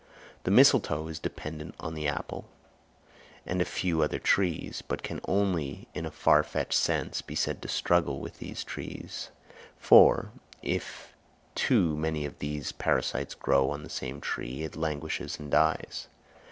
The mistletoe is dependent on the apple and a few other trees, but can only in a far fetched sense be said to struggle with these trees, for, if too many of these parasites grow on the same tree, it languishes and dies.